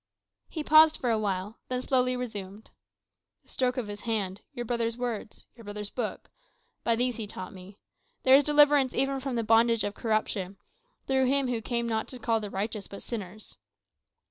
He paused for a while, then slowly resumed. "The stroke of his hand, your brother's words, your brother's book by these he taught me. There is deliverance even from the bondage of corruption, through him who came to call not the righteous, but sinners.